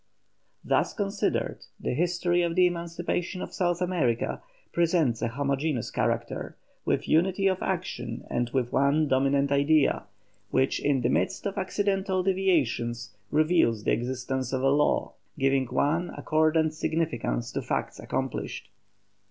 Thus considered, the history of the emancipation of South America presents a homogeneous character, with unity of action and with one dominant idea, which in the midst of accidental deviations reveals the existence of a law giving one accordant significance to facts accomplished.